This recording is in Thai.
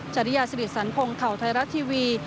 จริยาสิริสันพงศ์ข่าวไทยรัฐทีวี